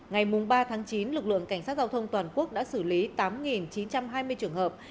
ngày ba chín lực lượng cảnh sát giao thông toàn quốc đã xử lý tám chín trăm hai mươi trường hợp